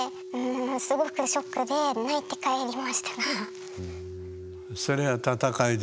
すごくショックで泣いて帰りましたが。